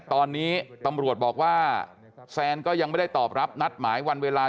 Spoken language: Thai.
ตอนนี้ตำรวจบอกว่าแซนก็ยังไม่ได้ตอบรับนัดหมายวันเวลา